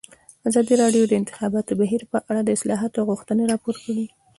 ازادي راډیو د د انتخاباتو بهیر په اړه د اصلاحاتو غوښتنې راپور کړې.